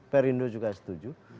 perindo juga setuju